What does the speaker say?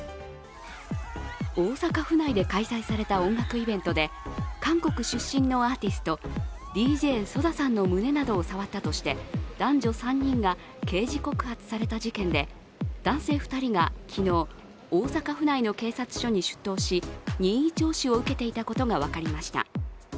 大阪府内で開催された音楽イベントで韓国出身のアーティストＤＪＳＯＤＡさんの胸灘を触ったとして男女３人が刑事告発された事件で男性２人が昨日、大阪府内の警察署に出頭し任意聴取を受けていたことが分かりました。